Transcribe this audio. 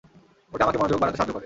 ওটা আমাকে মনোযোগ বাড়াতে সাহায্য করে!